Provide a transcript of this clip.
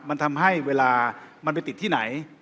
มันทำให้เวลามันไปติดที่ไหน